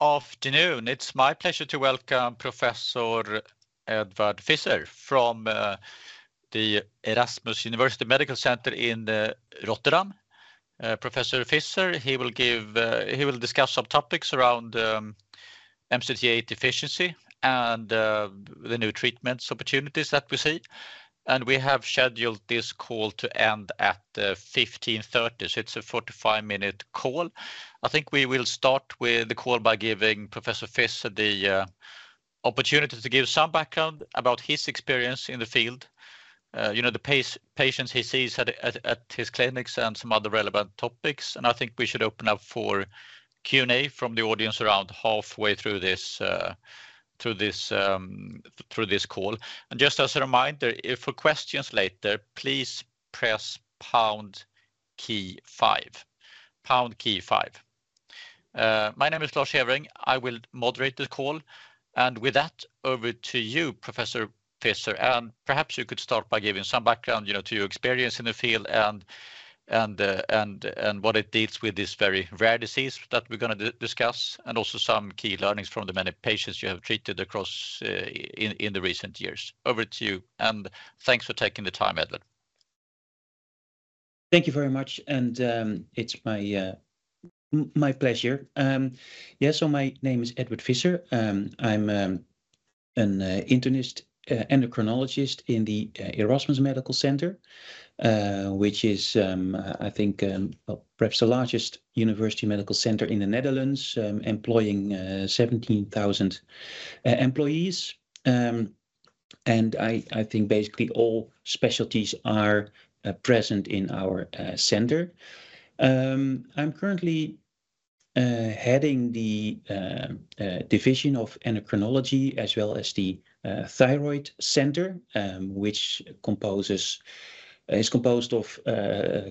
Good afternoon. It's my pleasure to welcome Professor Edward Visser from the Erasmus Medical Center in Rotterdam. Professor Visser, he will discuss some topics around Emcitate deficiency and the new treatment opportunities that we see. We have scheduled this call to end at 15:30, so it's a 45-minute call. I think we will start the call by giving Professor Visser the opportunity to give some background about his experience in the field, you know, the patients he sees at his clinics and some other relevant topics. I think we should open up for Q&A from the audience around halfway through this call. Just as a reminder, if for questions later, please press pound key five. Pound key five. My name is Lars Hedving. I will moderate this call. With that, over to you, Professor Visser. Perhaps you could start by giving some background, you know, to your experience in the field and what it deals with this very rare disease that we're going to discuss, and also some key learnings from the many patients you have treated across in the recent years. Over to you. And thanks for taking the time, Edward. Thank you very much. It's my pleasure. Yeah, my name is Edward Visser. I'm an internist endocrinologist in the Erasmus Medical Center, which is, I think, perhaps the largest university medical center in the Netherlands, employing 17,000 employees. I think basically all specialties are present in our center. I'm currently heading the Division of Endocrinology as well as the Thyroid Center, which is composed of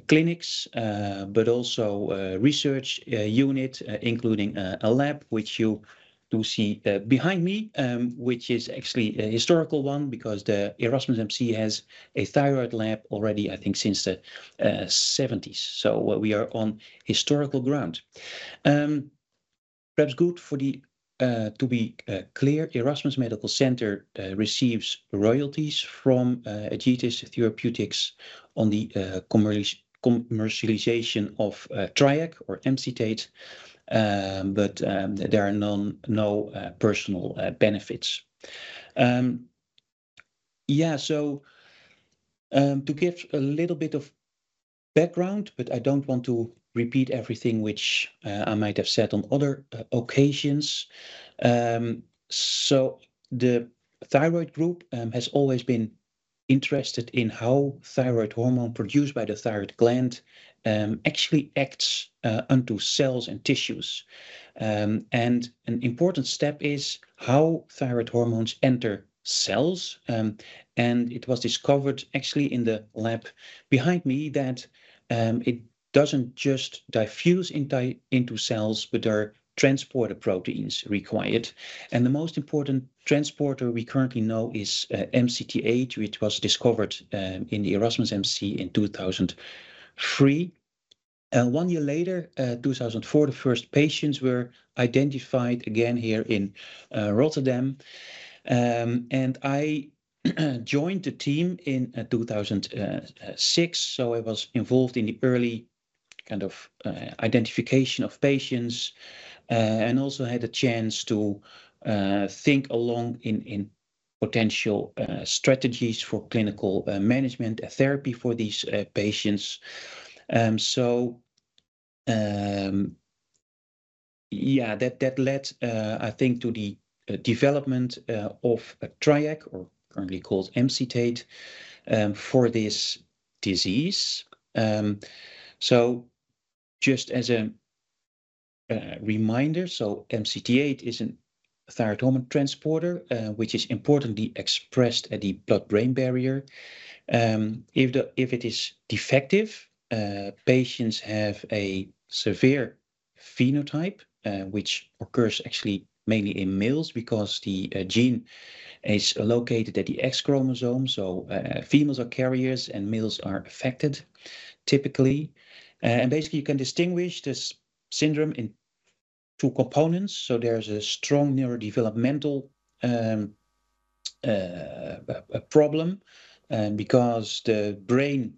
clinics, but also a research unit, including a lab, which you do see behind me, which is actually a historical one because the Erasmus Medical Center has had a thyroid lab already, I think, since the 1970s. We are on historical ground. Perhaps good to be clear, Erasmus Medical Center receives royalties from Egetis Therapeutics on the commercialization of Triac or MCT8, but there are no personal benefits. Yeah, to give a little bit of background, I don't want to repeat everything which I might have said on other occasions. The thyroid group has always been interested in how thyroid hormone produced by the thyroid gland actually acts onto cells and tissues. An important step is how thyroid hormones enter cells. It was discovered actually in the lab behind me that it doesn't just diffuse into cells, but there are transporter proteins required. The most important transporter we currently know is MCT8, which was discovered in the Erasmus Medical Center in 2003. One year later, 2004, the first patients were identified again here in Rotterdam. I joined the team in 2006, so I was involved in the early kind of identification of patients and also had a chance to think along in potential strategies for clinical management and therapy for these patients. Yeah, that led, I think, to the development of Triac, or currently called MCT8, for this disease. Just as a reminder, MCT8 is a thyroid hormone transporter, which is importantly expressed at the blood-brain barrier. If it is defective, patients have a severe phenotype, which occurs actually mainly in males because the gene is located at the X chromosome. Females are carriers and males are affected typically. Basically, you can distinguish this syndrome in two components. There is a strong neurodevelopmental problem because the brain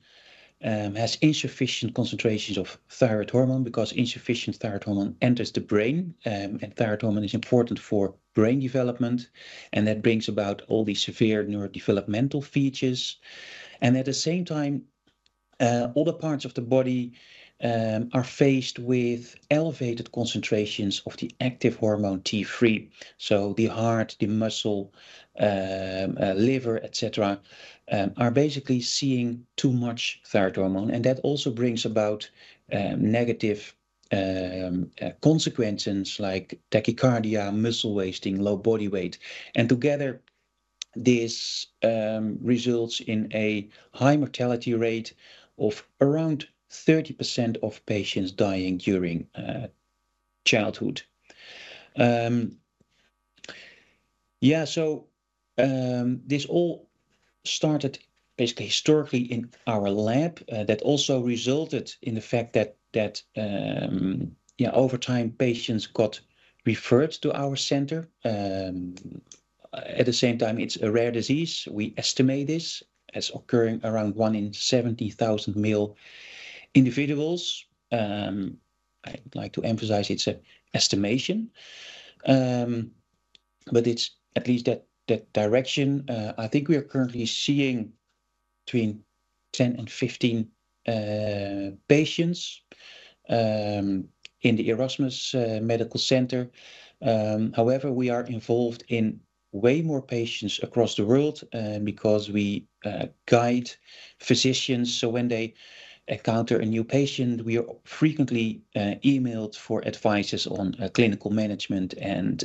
has insufficient concentrations of thyroid hormone because insufficient thyroid hormone enters the brain. Thyroid hormone is important for brain development. That brings about all these severe neurodevelopmental features. At the same time, other parts of the body are faced with elevated concentrations of the active hormone T3. The heart, the muscle, liver, et cetera, are basically seeing too much thyroid hormone. That also brings about negative consequences like tachycardia, muscle wasting, low body weight. Together, this results in a high mortality rate of around 30% of patients dying during childhood. This all started basically historically in our lab. That also resulted in the fact that, over time, patients got referred to our center. At the same time, it's a rare disease. We estimate this as occurring around one in 70,000 male individuals. I'd like to emphasize it's an estimation. It's at least that direction. I think we are currently seeing between 10 and 15 patients in the Erasmus Medical Center. However, we are involved in way more patients across the world because we guide physicians. When they encounter a new patient, we are frequently emailed for advice on clinical management and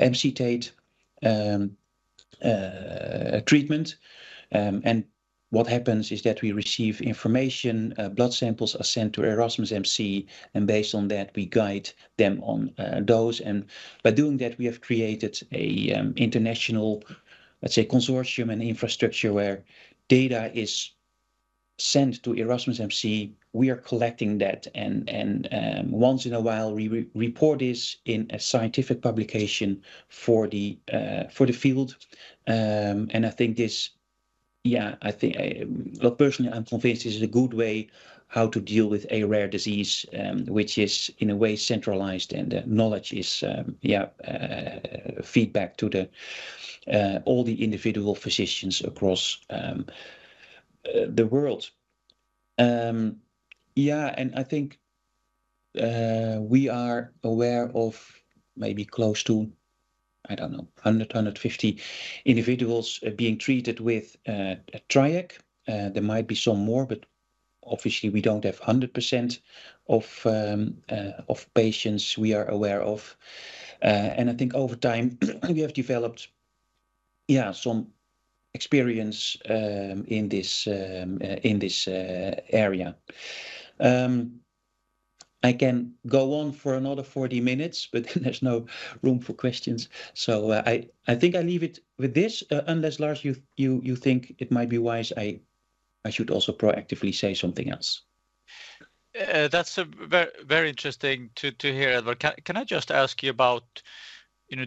MCT8 treatment. What happens is that we receive information. Blood samples are sent to Erasmus MC. Based on that, we guide them on those. By doing that, we have created an international, let's say, consortium and infrastructure where data is sent to Erasmus MC. We are collecting that. Once in a while, we report this in a scientific publication for the field. I think this, yeah, I think personally, I'm convinced this is a good way how to deal with a rare disease, which is in a way centralized. The knowledge is, yeah, feedback to all the individual physicians across the world. I think we are aware of maybe close to, I don't know, 100-150 individuals being treated with Triac. There might be some more, but obviously, we don't have 100% of patients we are aware of. I think over time, we have developed, yeah, some experience in this area. I can go on for another 40 minutes, but there's no room for questions. I think I leave it with this. Unless Lars, you think it might be wise, I should also proactively say something else. That's very interesting to hear, Edward. Can I just ask you about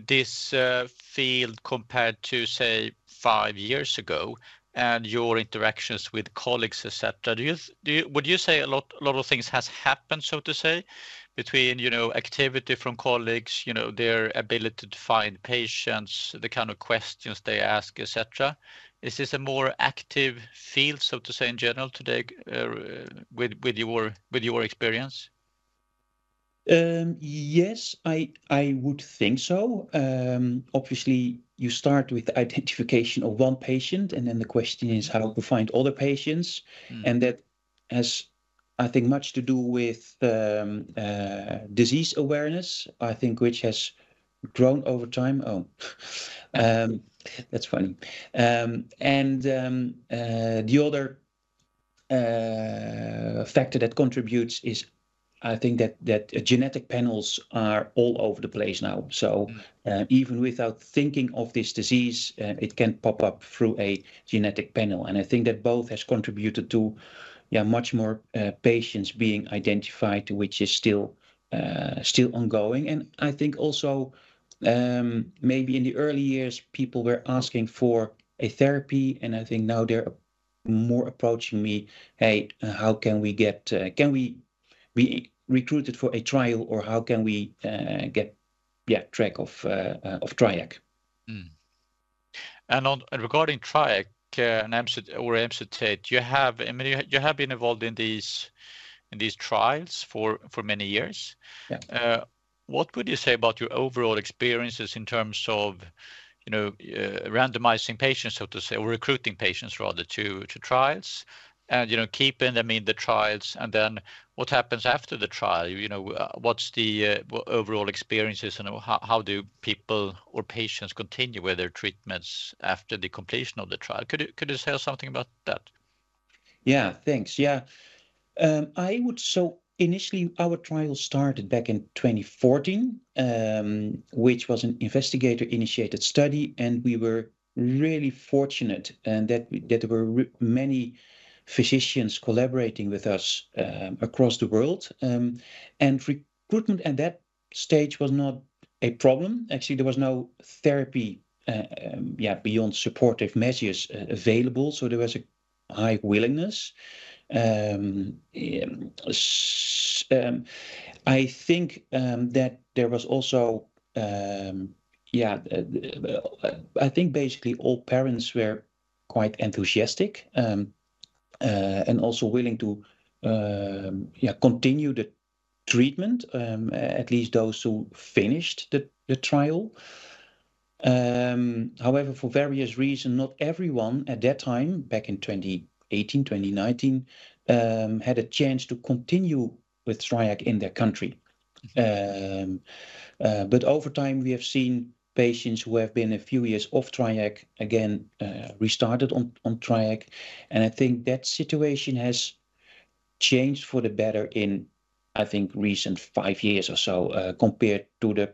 this field compared to, say, five years ago and your interactions with colleagues, et cetera? Would you say a lot of things have happened, so to say, between activity from colleagues, their ability to find patients, the kind of questions they ask, et cetera? Is this a more active field, so to say, in general today with your experience? Yes, I would think so. Obviously, you start with the identification of one patient, and then the question is how to find other patients. That has, I think, much to do with disease awareness, I think, which has grown over time. Oh, that's funny. The other factor that contributes is, I think, that genetic panels are all over the place now. Even without thinking of this disease, it can pop up through a genetic panel. I think that both has contributed to, yeah, much more patients being identified, which is still ongoing. I think also maybe in the early years, people were asking for a therapy. I think now they're more approaching me, hey, how can we get can we be recruited for a trial, or how can we get, yeah, track of Triac? Regarding Triac or MCT8, you have been involved in these trials for many years. What would you say about your overall experiences in terms of randomizing patients, so to say, or recruiting patients, rather, to trials and keeping them in the trials? What happens after the trial? What are the overall experiences? How do people or patients continue with their treatments after the completion of the trial? Could you say something about that? Yeah, thanks. Yeah. Initially, our trial started back in 2014, which was an investigator-initiated study. We were really fortunate that there were many physicians collaborating with us across the world. Recruitment at that stage was not a problem. Actually, there was no therapy, yeah, beyond supportive measures available. There was a high willingness. I think that there was also, yeah, I think basically all parents were quite enthusiastic and also willing to continue the treatment, at least those who finished the trial. However, for various reasons, not everyone at that time, back in 2018, 2019, had a chance to continue with Triac in their country. Over time, we have seen patients who have been a few years off Triac, again, restarted on Triac. I think that situation has changed for the better in, I think, the recent five years or so compared to the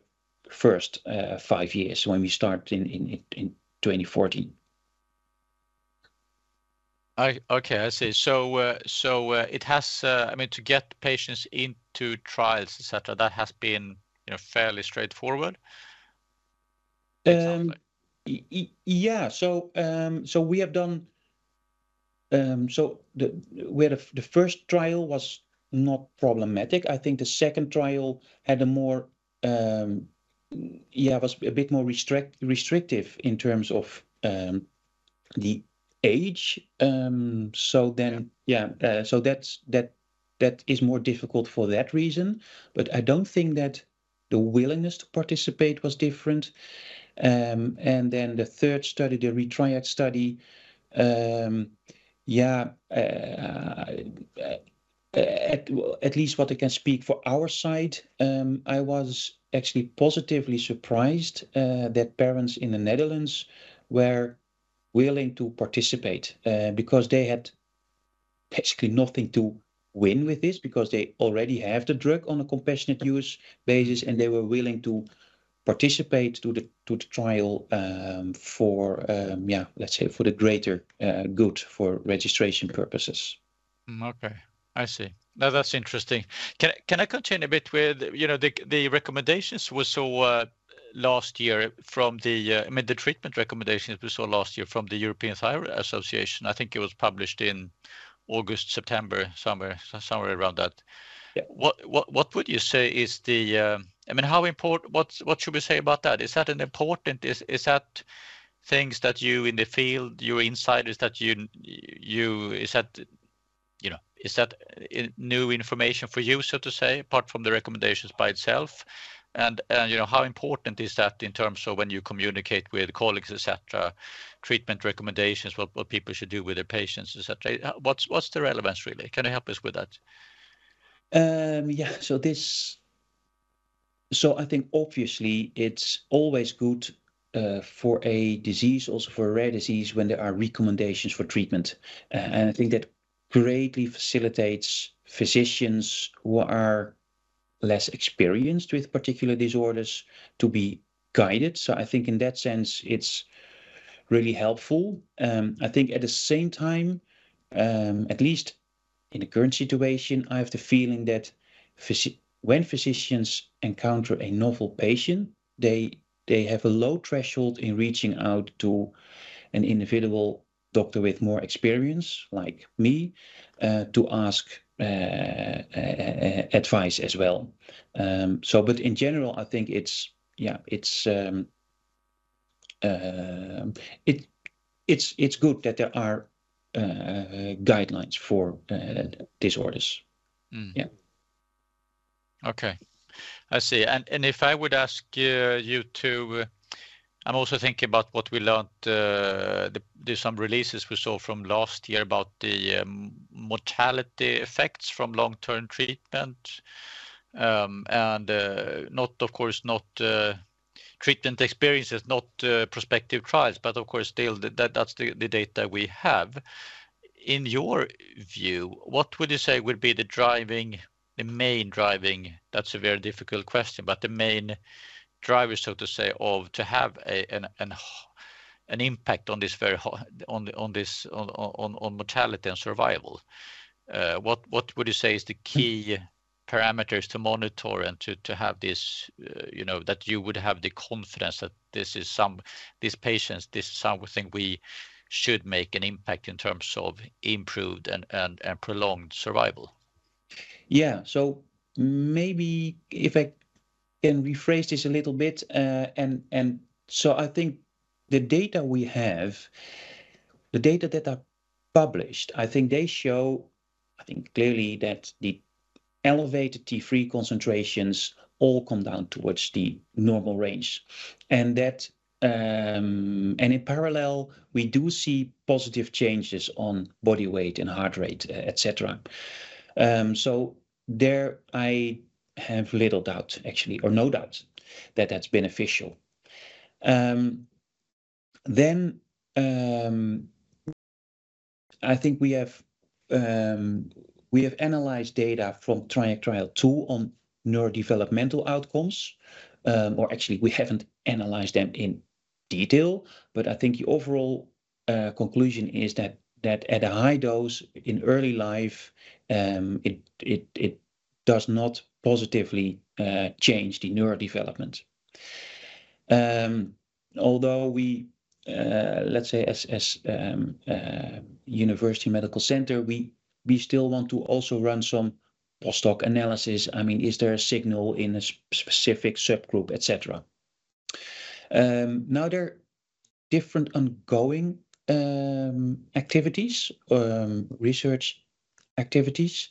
first five years when we started in 2014. Okay, I see. It has, I mean, to get patients into trials, et cetera, that has been fairly straightforward. Yeah. We have done so. The first trial was not problematic. I think the second trial had a more, yeah, was a bit more restrictive in terms of the age. That is more difficult for that reason. I do not think that the willingness to participate was different. The third study, the retrial study, at least what I can speak for our side, I was actually positively surprised that parents in the Netherlands were willing to participate because they had basically nothing to win with this because they already have the drug on a compassionate use basis. They were willing to participate in the trial for, yeah, let's say, for the greater good for registration purposes. Okay, I see. No, that's interesting. Can I continue a bit with the recommendations we saw last year from the, I mean, the treatment recommendations we saw last year from the European Thyroid Association. I think it was published in August, September, somewhere around that. What would you say is the, I mean, how important, what should we say about that? Is that an important thing that you in the field, your insiders that you, is that new information for you, so to say, apart from the recommendations by itself? And how important is that in terms of when you communicate with colleagues, et cetera, treatment recommendations, what people should do with their patients, et cetera? What's the relevance really? Can you help us with that? Yeah. I think obviously, it's always good for a disease, also for a rare disease, when there are recommendations for treatment. I think that greatly facilitates physicians who are less experienced with particular disorders to be guided. I think in that sense, it's really helpful. I think at the same time, at least in the current situation, I have the feeling that when physicians encounter a novel patient, they have a low threshold in reaching out to an individual doctor with more experience like me to ask advice as well. In general, I think it's, yeah, it's good that there are guidelines for disorders. Yeah. Okay. I see. If I would ask you to, I'm also thinking about what we learned, some releases we saw from last year about the mortality effects from long-term treatment. Of course, not treatment experiences, not prospective trials, but of course, still, that's the data we have. In your view, what would you say would be the main driving? That's a very difficult question, but the main driver, so to say, to have an impact on this very high, on mortality and survival. What would you say is the key parameters to monitor and to have this, that you would have the confidence that this is some, these patients, this is something we should make an impact in terms of improved and prolonged survival? Yeah. Maybe if I can rephrase this a little bit. I think the data we have, the data that are published, I think they show, I think clearly that the elevated T3 concentrations all come down towards the normal range. In parallel, we do see positive changes on body weight and heart rate, et cetera. There I have little doubt, actually, or no doubt that that's beneficial. I think we have analyzed data from Triac Trial II on neurodevelopmental outcomes. Or actually, we haven't analyzed them in detail, but I think the overall conclusion is that at a high dose in early life, it does not positively change the neurodevelopment. Although we, let's say, as University Medical Center, we still want to also run some postdoc analysis. I mean, is there a signal in a specific subgroup, et cetera? Now, there are different ongoing activities, research activities,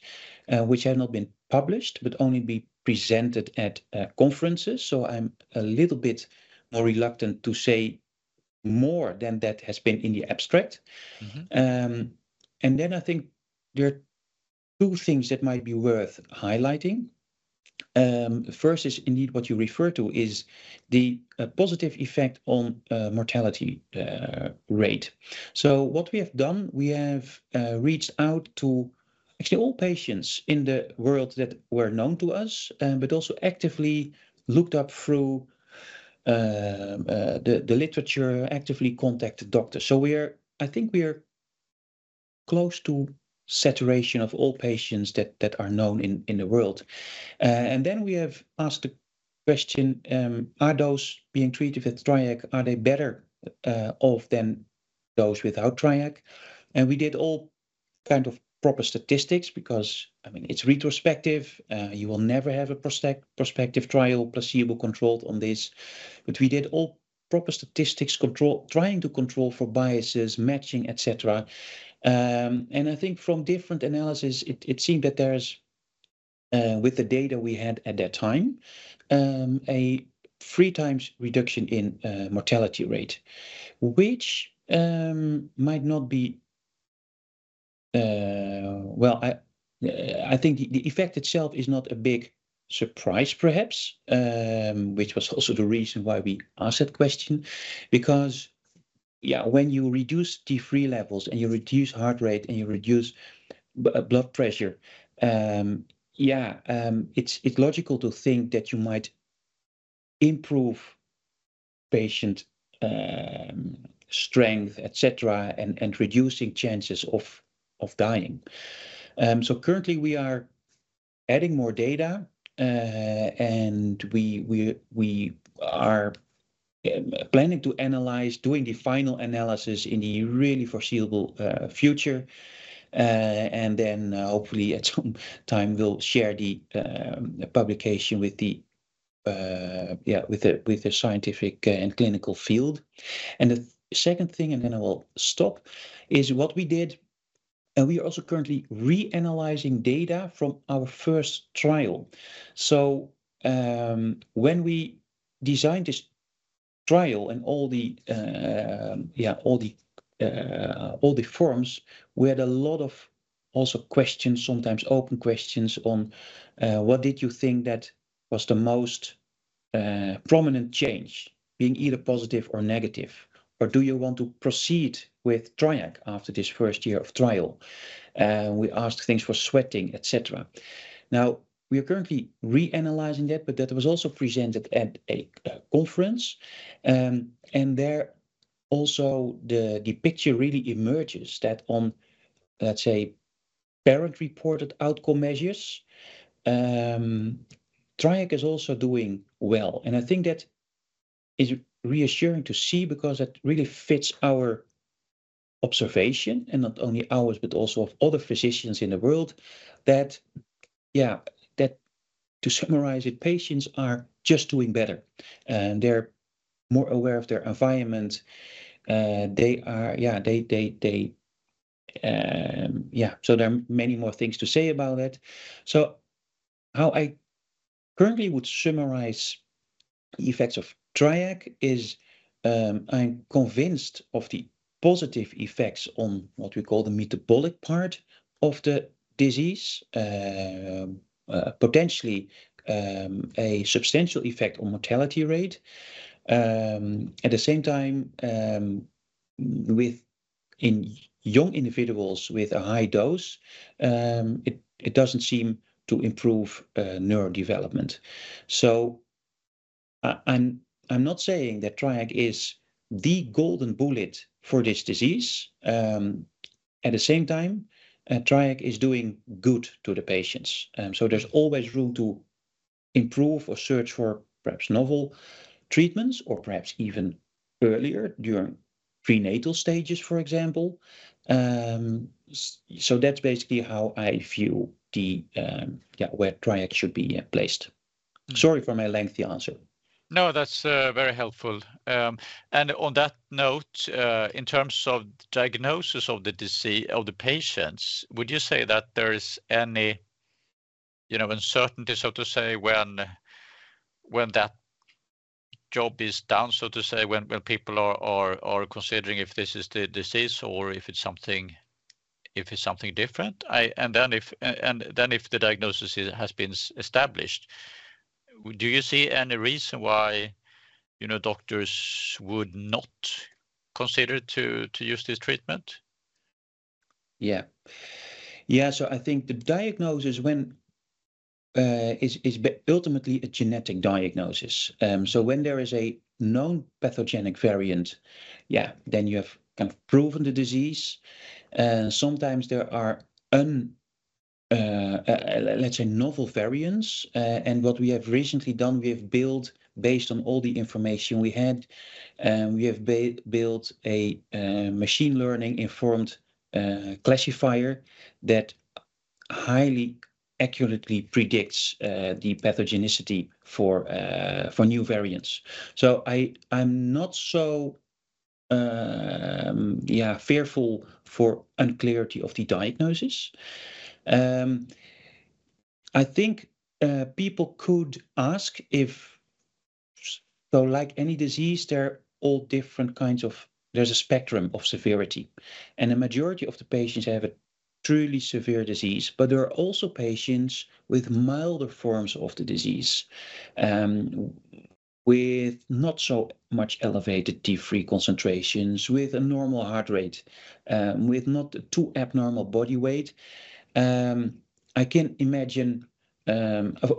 which have not been published, but only been presented at conferences. I'm a little bit more reluctant to say more than that has been in the abstract. I think there are two things that might be worth highlighting. First is indeed what you refer to is the positive effect on mortality rate. What we have done, we have reached out to actually all patients in the world that were known to us, but also actively looked up through the literature, actively contacted doctors. I think we are close to saturation of all patients that are known in the world. We have asked the question, are those being treated with Triac, are they better off than those without Triac? We did all kind of proper statistics because, I mean, it's retrospective. You will never have a prospective trial placebo-controlled on this. We did all proper statistics trying to control for biases, matching, et cetera. I think from different analysis, it seemed that there is, with the data we had at that time, a three times reduction in mortality rate, which might not be, I think the effect itself is not a big surprise, perhaps, which was also the reason why we asked that question. Because, yeah, when you reduce T3 levels and you reduce heart rate and you reduce blood pressure, yeah, it's logical to think that you might improve patient strength, et cetera, and reducing chances of dying. Currently, we are adding more data, and we are planning to analyze, doing the final analysis in the really foreseeable future. Hopefully at some time, we'll share the publication with the scientific and clinical field. The second thing, and then I will stop, is what we did. We are also currently reanalyzing data from our first trial. When we designed this trial and all the forms, we had a lot of questions, sometimes open questions on what did you think that was the most prominent change, being either positive or negative, or do you want to proceed with Triac after this first year of trial? We asked things for sweating, et cetera. We are currently reanalyzing that, but that was also presented at a conference. There also, the picture really emerges that on, let's say, parent-reported outcome measures, Triac is also doing well. I think that is reassuring to see because that really fits our observation and not only ours, but also of other physicians in the world, that, yeah, to summarize it, patients are just doing better. They're more aware of their environment. They are, yeah, there are many more things to say about it. How I currently would summarize the effects of Triac is I'm convinced of the positive effects on what we call the metabolic part of the disease, potentially a substantial effect on mortality rate. At the same time, with young individuals with a high dose, it doesn't seem to improve neurodevelopment. I'm not saying that Triac is the golden bullet for this disease. At the same time, Triac is doing good to the patients. There is always room to improve or search for perhaps novel treatments or perhaps even earlier during prenatal stages, for example. That is basically how I view the, yeah, where Triac should be placed. Sorry for my lengthy answer. No, that's very helpful. On that note, in terms of diagnosis of the disease of the patients, would you say that there is any uncertainty, so to say, when that job is done, so to say, when people are considering if this is the disease or if it's something different, and then if the diagnosis has been established, do you see any reason why doctors would not consider to use this treatment? Yeah. Yeah. I think the diagnosis is ultimately a genetic diagnosis. When there is a known pathogenic variant, yeah, then you have kind of proven the disease. Sometimes there are, let's say, novel variants. What we have recently done, we have built based on all the information we had, we have built a machine learning-informed classifier that highly accurately predicts the pathogenicity for new variants. I'm not so, yeah, fearful for unclearity of the diagnosis. I think people could ask if, like any disease, there are all different kinds of, there's a spectrum of severity. The majority of the patients have a truly severe disease, but there are also patients with milder forms of the disease with not so much elevated T3 concentrations, with a normal heart rate, with not too abnormal body weight. I can imagine,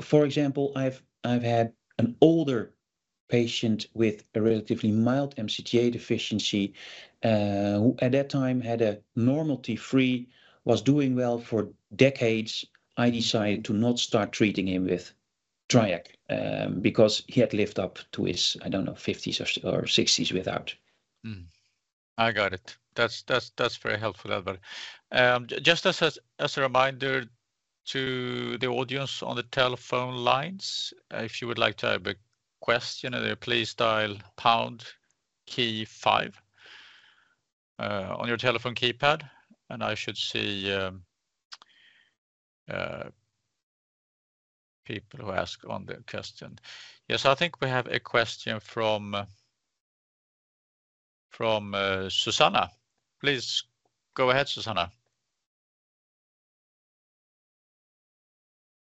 for example, I've had an older patient with a relatively mild MCT8 deficiency who at that time had a normal T3, was doing well for decades. I decided to not start treating him with Triac because he had lived up to his, I don't know, 50s or 60s without. I got it. That's very helpful, Albert. Just as a reminder to the audience on the telephone lines, if you would like to have a question, please dial pound key five on your telephone keypad. I should see people who ask on the question. Yes, I think we have a question from Suzanna. Please go ahead, Suzanna.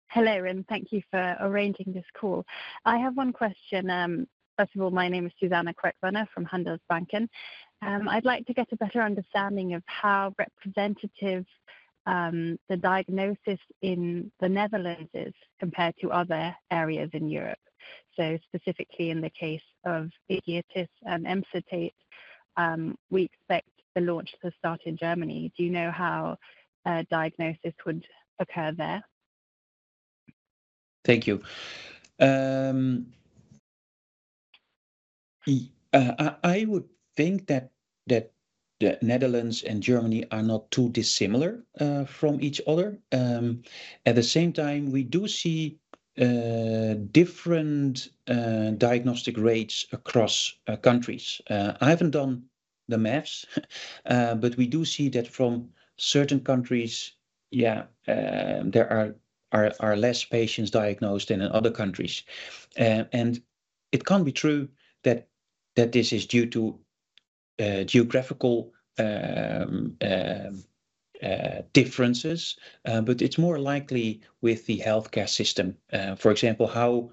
Hello, and thank you for arranging this call. I have one question. First of all, my name is Suzanna Queckbörner from Handelsbanken. I'd like to get a better understanding of how representative the diagnosis in the Netherlands is compared to other areas in Europe. Specifically in the case of Egetis and MCT8, we expect the launch to start in Germany. Do you know how diagnosis would occur there? Thank you. I would think that the Netherlands and Germany are not too dissimilar from each other. At the same time, we do see different diagnostic rates across countries. I haven't done the maths, but we do see that from certain countries, yeah, there are less patients diagnosed than in other countries. It can't be true that this is due to geographical differences, but it's more likely with the healthcare system. For example, how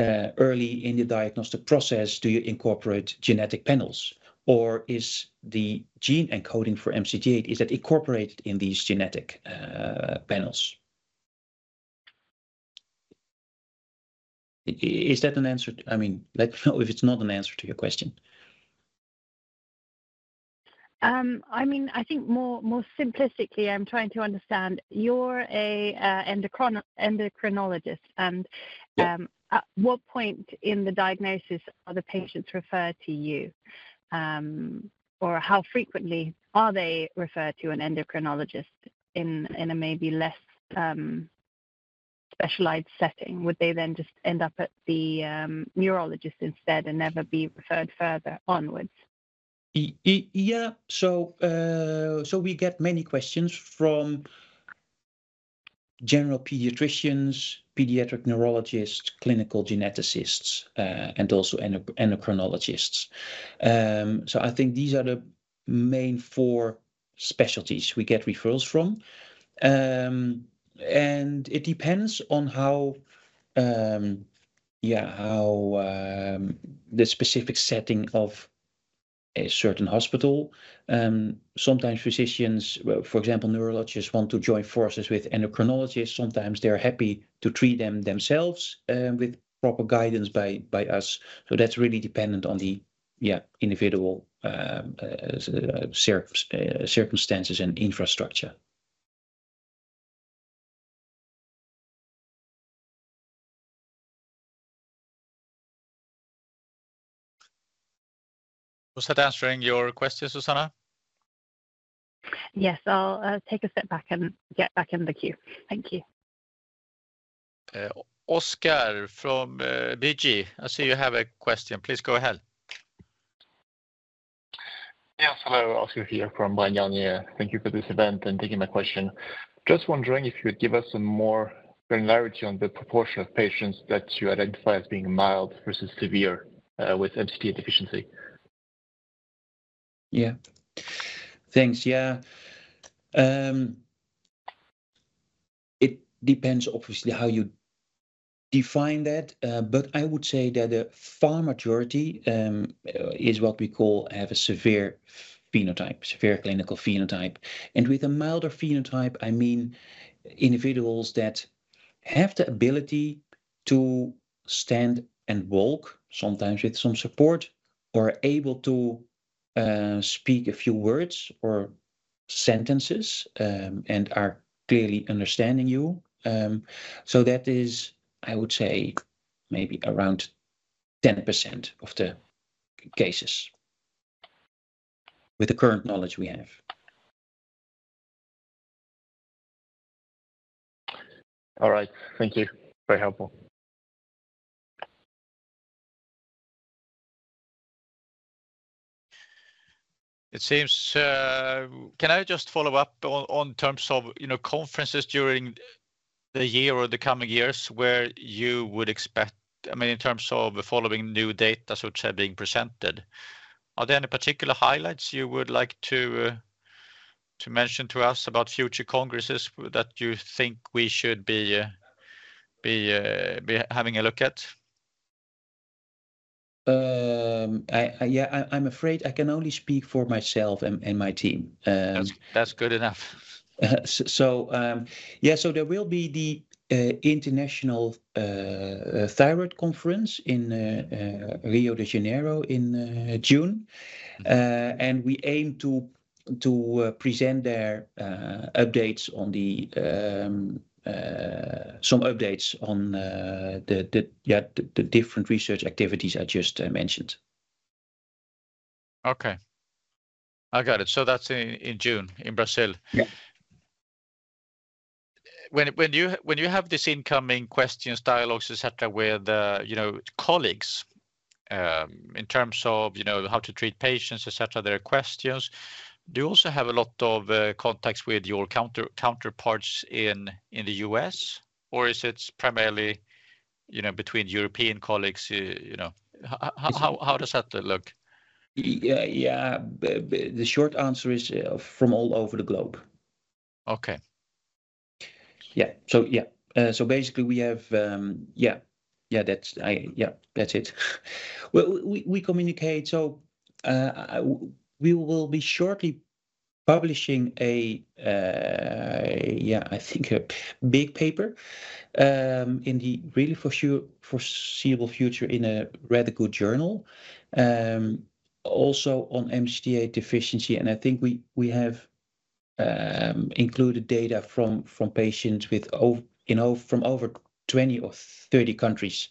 early in the diagnostic process do you incorporate genetic panels? Or is the gene encoding for MCT8, is that incorporated in these genetic panels? Is that an answer? I mean, let me know if it's not an answer to your question. I mean, I think more simplistically, I'm trying to understand. You're an endocrinologist. At what point in the diagnosis are the patients referred to you? Or how frequently are they referred to an endocrinologist in a maybe less specialized setting? Would they then just end up at the neurologist instead and never be referred further onwards? Yeah. We get many questions from general pediatricians, pediatric neurologists, clinical geneticists, and also endocrinologists. I think these are the main four specialties we get referrals from. It depends on how the specific setting of a certain hospital is. Sometimes physicians, for example, neurologists, want to join forces with endocrinologists. Sometimes they're happy to treat them themselves with proper guidance by us. That's really dependent on the individual circumstances and infrastructure. Was that answering your question, Suzanna? Yes, I'll take a step back and get back in the queue. Thank you. Oscar from ABG, I see you have a question. Please go ahead. Yes, hello. Oscar here from ABG. Thank you for this event and taking my question. Just wondering if you could give us some more granularity on the proportion of patients that you identify as being mild versus severe with MCT8 deficiency. Yeah. Thanks. Yeah. It depends obviously how you define that, but I would say that the far majority is what we call have a severe phenotype, severe clinical phenotype. With a milder phenotype, I mean individuals that have the ability to stand and walk sometimes with some support or are able to speak a few words or sentences and are clearly understanding you. That is, I would say, maybe around 10% of the cases with the current knowledge we have. All right. Thank you. Very helpful. It seems, can I just follow up on terms of conferences during the year or the coming years where you would expect, I mean, in terms of following new data which are being presented? Are there any particular highlights you would like to mention to us about future congresses that you think we should be having a look at? Yeah, I'm afraid I can only speak for myself and my team. That's good enough. Yeah, there will be the International Thyroid Conference in Rio de Janeiro in June. We aim to present there some updates on the different research activities I just mentioned. Okay. I got it. That is in June in Brazil. When you have these incoming questions, dialogues, et cetera, with colleagues in terms of how to treat patients, et cetera, there are questions. Do you also have a lot of contacts with your counterparts in the U.S.? Or is it primarily between European colleagues? How does that look? Yeah, the short answer is from all over the globe. Okay. Yeah. So basically we have, yeah, that's it. We communicate. We will be shortly publishing a, yeah, I think a big paper in the really foreseeable future in a radical journal. Also on MCT8 deficiency. I think we have included data from patients from over 20 or 30 countries,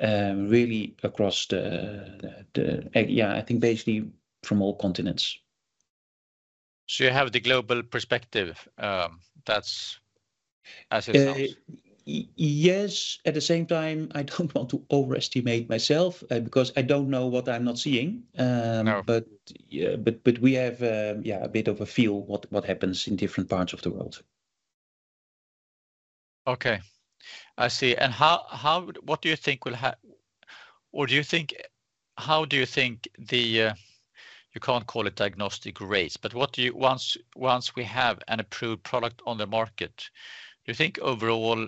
really across the, yeah, I think basically from all continents. You have the global perspective. That's as it is. Yes. At the same time, I don't want to overestimate myself because I don't know what I'm not seeing. We have, yeah, a bit of a feel what happens in different parts of the world. Okay. I see. What do you think will, or do you think, how do you think the, you can't call it diagnostic rates, but what do you, once we have an approved product on the market, do you think overall,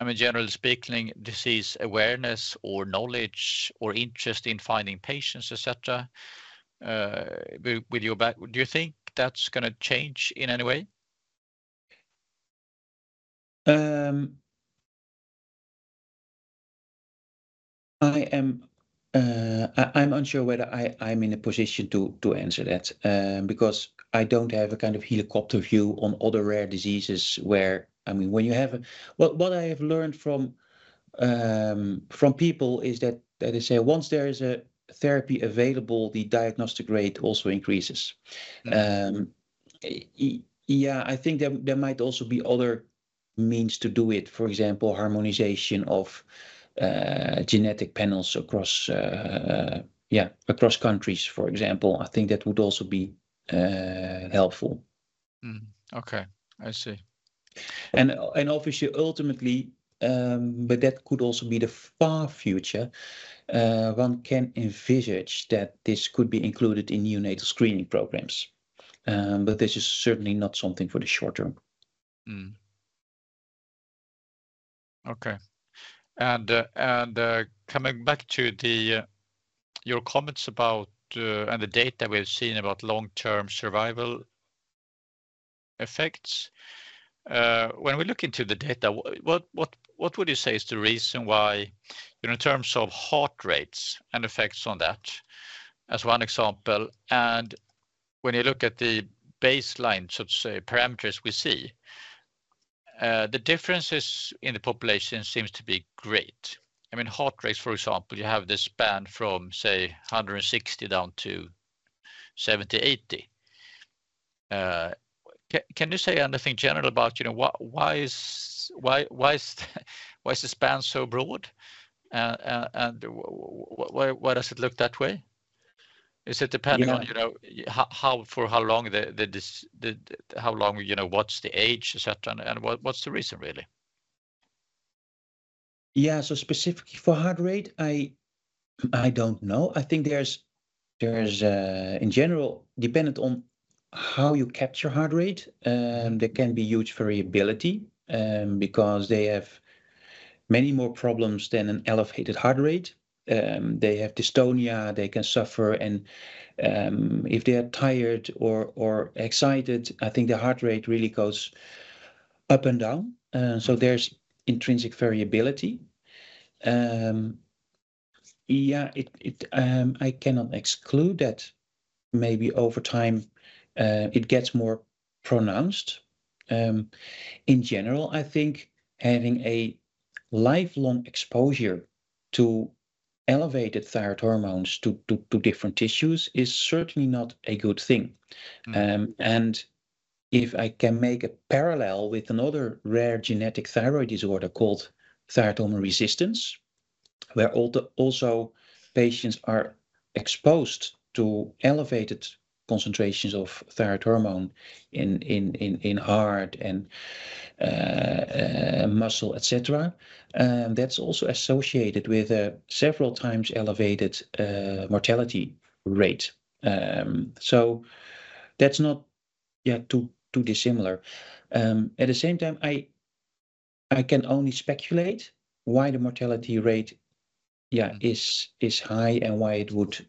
I mean, generally speaking, disease awareness or knowledge or interest in finding patients, et cetera, with your back, do you think that's going to change in any way? I'm unsure whether I'm in a position to answer that because I don't have a kind of helicopter view on other rare diseases where, I mean, when you have a, what I have learned from people is that they say once there is a therapy available, the diagnostic rate also increases. Yeah, I think there might also be other means to do it. For example, harmonization of genetic panels across, yeah, across countries, for example. I think that would also be helpful. Okay. I see. Obviously, ultimately, but that could also be the far future. One can envisage that this could be included in neonatal screening programs. This is certainly not something for the short term. Okay. Coming back to your comments about and the data we've seen about long-term survival effects, when we look into the data, what would you say is the reason why in terms of heart rates and effects on that, as one example? When you look at the baseline, so to say, parameters we see, the differences in the population seem to be great. I mean, heart rates, for example, you have the span from, say, 160 down to 70, 80. Can you say anything general about why is the span so broad? Why does it look that way? Is it depending on how for how long, how long, what's the age, et cetera, and what's the reason really? Yeah. Specifically for heart rate, I don't know. I think there's, in general, dependent on how you capture heart rate, there can be huge variability because they have many more problems than an elevated heart rate. They have dystonia, they can suffer, and if they are tired or excited, I think the heart rate really goes up and down. There is intrinsic variability. Yeah, I cannot exclude that maybe over time it gets more pronounced. In general, I think having a lifelong exposure to elevated thyroid hormones to different tissues is certainly not a good thing. If I can make a parallel with another rare genetic thyroid disorder called thyroid hormone resistance, where also patients are exposed to elevated concentrations of thyroid hormone in heart and muscle, et cetera, that's also associated with a several times elevated mortality rate. That's not, yeah, too dissimilar. At the same time, I can only speculate why the mortality rate, yeah, is high and why it would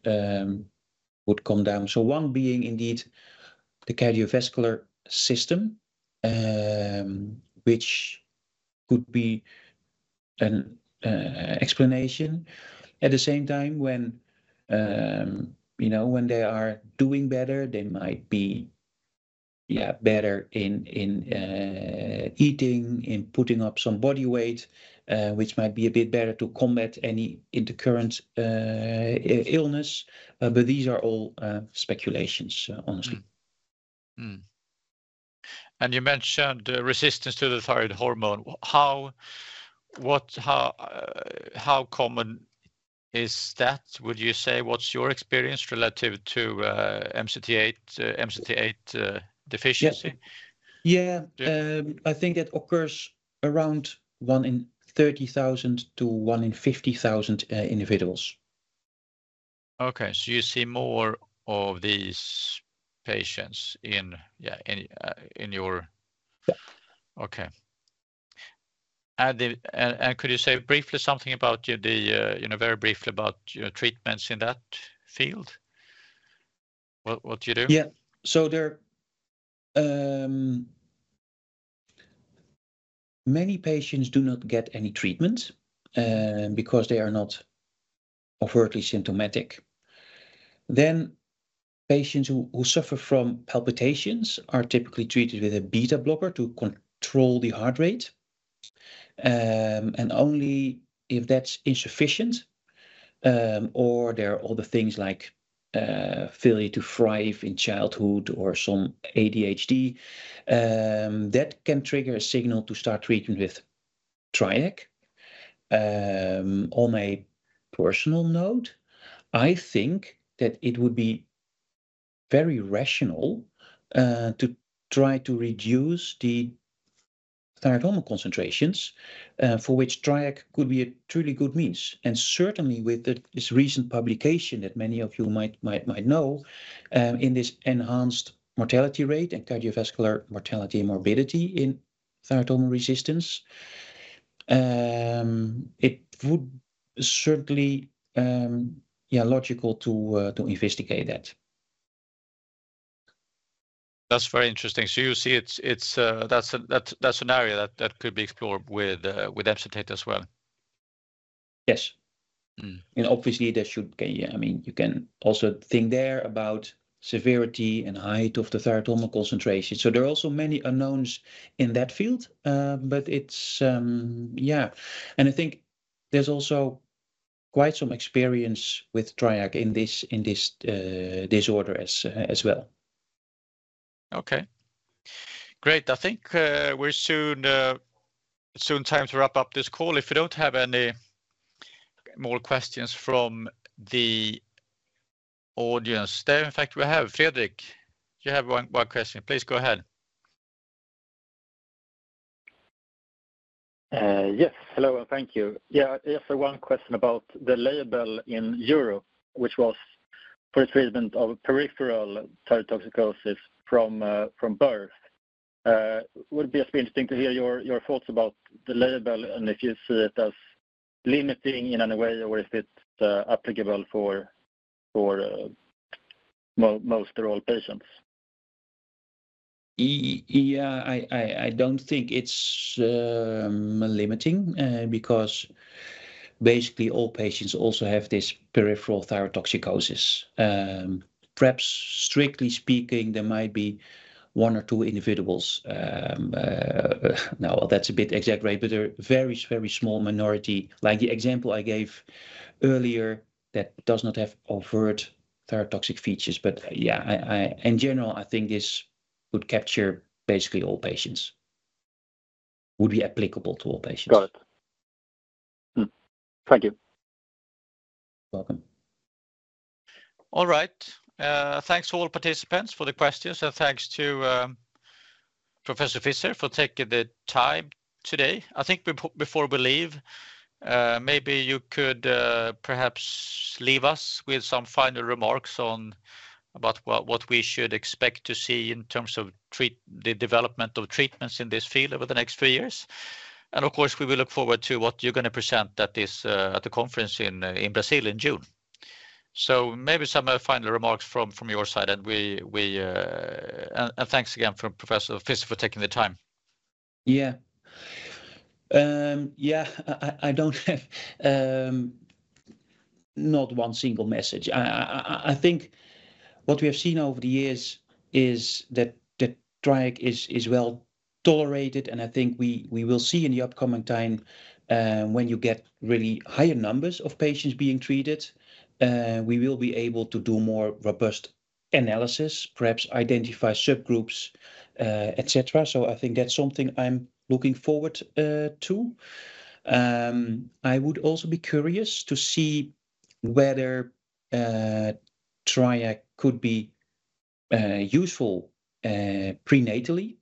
come down. One being indeed the cardiovascular system, which could be an explanation. At the same time, when they are doing better, they might be, yeah, better in eating, in putting up some body weight, which might be a bit better to combat any intercurrent illness. These are all speculations, honestly. You mentioned resistance to the thyroid hormone. How common is that? Would you say what's your experience relative to MCT8 deficiency? Yeah. I think it occurs around one in 30,000 to one in 50,000 individuals. Okay. You see more of these patients in your. Yeah. Okay. Could you say briefly something about the, very briefly about treatments in that field? What you do? Yeah. Many patients do not get any treatment because they are not overtly symptomatic. Patients who suffer from palpitations are typically treated with a beta blocker to control the heart rate. Only if that's insufficient or there are other things like failure to thrive in childhood or some ADHD, that can trigger a signal to start treatment with Triac. On a personal note, I think that it would be very rational to try to reduce the thyroid hormone concentrations for which Triac could be a truly good means. Certainly with this recent publication that many of you might know in this enhanced mortality rate and cardiovascular mortality and morbidity in thyroid hormone resistance, it would certainly, yeah, logical to investigate that. That's very interesting. You see that's an area that could be explored with MCT8 as well. Yes. Obviously there should be, I mean, you can also think there about severity and height of the thyroid hormone concentration. There are also many unknowns in that field, but it's, yeah. I think there's also quite some experience with Triac in this disorder as well. Okay. Great. I think we're soon time to wrap up this call. If you don't have any more questions from the audience there, in fact, we have Fredrik. You have one question. Please go ahead. Yes. Hello and thank you. Yeah. One question about the label in Europe, which was for treatment of peripheral thyrotoxicosis from birth. Would be interesting to hear your thoughts about the label and if you see it as limiting in any way or if it's applicable for most of all patients. Yeah, I don't think it's limiting because basically all patients also have this peripheral thyrotoxicosis. Perhaps strictly speaking, there might be one or two individuals. Now, that's a bit exaggerated, but a very, very small minority. Like the example I gave earlier that does not have overt thyrotoxic features. Yeah, in general, I think this would capture basically all patients. Would be applicable to all patients. Got it. Thank you. You're welcome. All right. Thanks to all participants for the questions. And thanks to Professor Visser for taking the time today. I think before we leave, maybe you could perhaps leave us with some final remarks about what we should expect to see in terms of the development of treatments in this field over the next few years. Of course, we will look forward to what you're going to present at the conference in Brazil in June. Maybe some final remarks from your side. Thanks again from Professor Visser for taking the time. Yeah. Yeah, I don't have not one single message. I think what we have seen over the years is that Triac is well tolerated. I think we will see in the upcoming time when you get really higher numbers of patients being treated, we will be able to do more robust analysis, perhaps identify subgroups, et cetera. I think that's something I'm looking forward to. I would also be curious to see whether Triac could be useful prenatally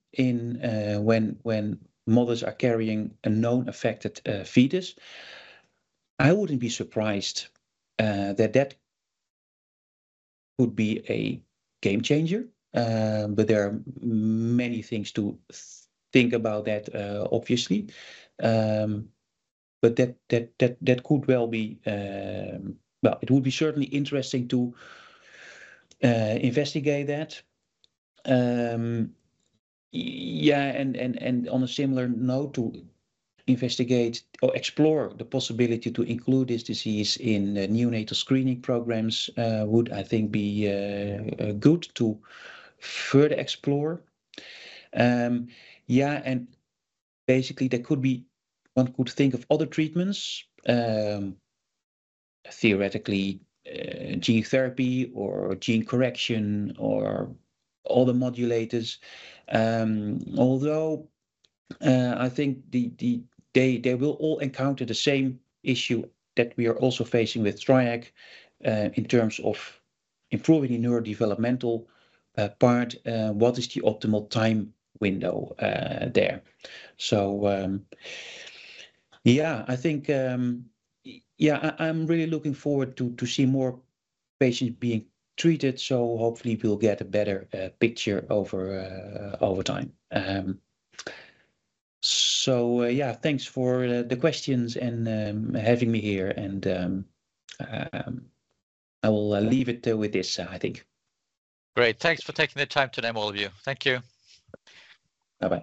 when mothers are carrying a known affected fetus. I wouldn't be surprised that that would be a game changer, but there are many things to think about that, obviously. That could well be, it would be certainly interesting to investigate that. Yeah. On a similar note, to investigate or explore the possibility to include this disease in neonatal screening programs would, I think, be good to further explore. Yeah. Basically, one could think of other treatments, theoretically gene therapy or gene correction or other modulators. Although I think they will all encounter the same issue that we are also facing with Triac in terms of improving the neurodevelopmental part, what is the optimal time window there? Yeah, I think, yeah, I'm really looking forward to seeing more patients being treated. Hopefully we'll get a better picture over time. Yeah, thanks for the questions and having me here. I will leave it with this, I think. Great. Thanks for taking the time today, all of you. Thank you. Bye-bye.